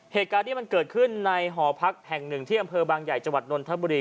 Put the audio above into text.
เหตุการณ์นี้มันเกิดขึ้นในหอพักแห่งหนึ่งที่อำเภอบางใหญ่จังหวัดนนทบุรี